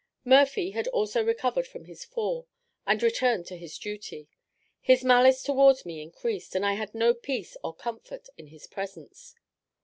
Murphy had also recovered from his fall, and returned to his duty; his malice towards me increased, and I had no peace or comfort in his presence.